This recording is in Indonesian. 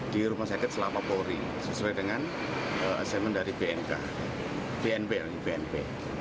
di rumah sakit selapa polri sesuai dengan asemen dari bnp